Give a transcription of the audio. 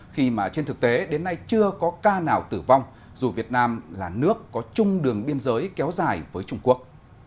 khi mà trên thực tế đến nay chưa có ca nào tử vong dù việt nam là nước có chung đường biên giới kéo dài với trung quốc